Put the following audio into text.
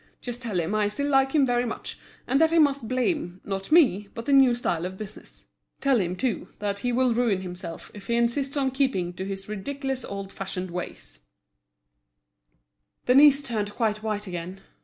Just tell him I still like him very much, and that he must blame, not me, but the new style of business. Tell him, too, that he will ruin himself if he insists on keeping to his ridiculous old fashioned ways." Denise turned quite white again.